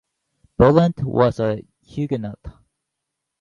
Bullant was a Huguenot.